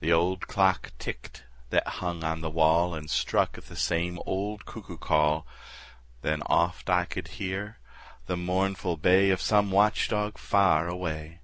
The old clock ticked that hung on the wall And struck 'th the same old cuckoo call; Then oft I could hear the mournful bay Of some watch dog far away.